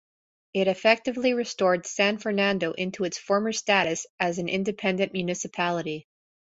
It effectively restored San Fernando into its former status as an independent municipality.